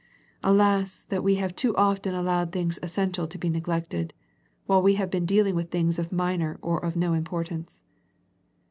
Alas, that we have too often allowed things essential to be neglected, while we have been deaUng with things of minor or of no importance.